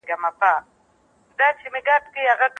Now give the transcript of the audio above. د پاني پت درېیمه جګړه ډېره مشهوره ده.